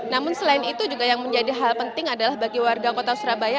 namun selain itu juga yang menjadi hal penting adalah bagi warga kota surabaya